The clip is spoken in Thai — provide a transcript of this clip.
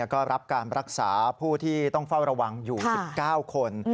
ก็รับการรักษาผู้ที่ต้องเฝ้าระวังอยู่๑๙คน